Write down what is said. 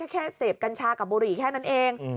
แค่เสพกัญชากับบุหรี่แค่นั้นเอง